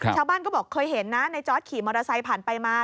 ชาวบ้านก็บอกเคยเห็นนะในจอร์ดขี่มอเตอร์ไซค์ผ่านไปมา